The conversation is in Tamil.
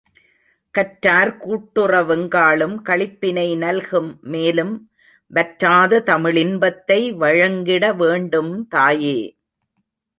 கற்றார்கூட் டுறவெங்காளும் களிப்பினை நல்கும் மேலும் வற்றாத தமிழின்பத்தை வழங்கிட வேண்டும் தாயே!